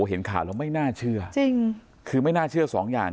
เห็นข่าวแล้วไม่น่าเชื่อจริงคือไม่น่าเชื่อสองอย่าง